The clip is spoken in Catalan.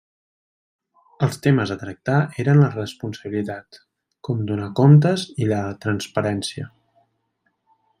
Els temes a tractar eren la responsabilitat, com donar comptes i la transparència.